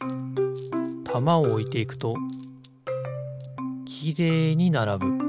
たまをおいていくときれいにならぶ。